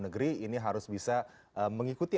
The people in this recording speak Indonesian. negeri ini harus bisa mengikuti